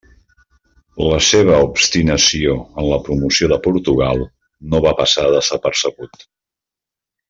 La seva obstinació en la promoció de Portugal no va passar desapercebut.